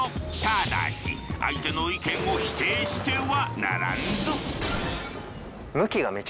ただし相手の意見を否定してはならんぞ。